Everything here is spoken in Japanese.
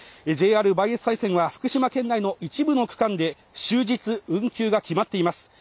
ＪＲ磐越西線は福島県内の一部の区間で終日運休が決まっています